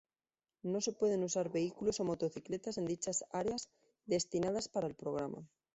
No se pueden usar vehículos o motocicletas en dichas áreas destinadas para el programa.